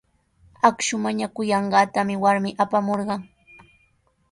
Akshu mañakullanqaatami warmi apamurqan.